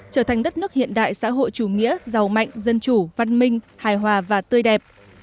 trở thành đất nước hiện đại xã hội chủ nghĩa giàu mạnh dân chủ văn minh hài hòa và tươi đẹp